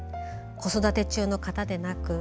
子育て中の方でなく